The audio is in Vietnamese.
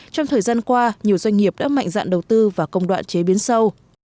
trong thời gian qua nhiều doanh nghiệp đã mạnh dạng đầu tư và công đoạn chế biến sâu